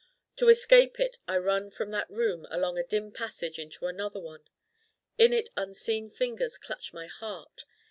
To escape it I run from that Room along a dim passage into another one. In it unseen fingers clutch my Heart.